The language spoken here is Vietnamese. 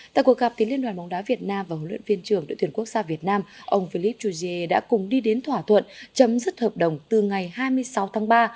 tại cuộc gặp đến liên đoàn bóng đá việt nam và huấn luyện viên trưởng đội tuyển quốc gia việt nam ông philip choujie đã cùng đi đến thỏa thuận chấm dứt hợp đồng từ ngày hai mươi sáu tháng ba